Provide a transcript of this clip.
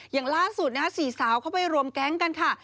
อย่างล่าสุดนะฮะสี่สาวเข้าไปรวมแก๊งกันค่ะ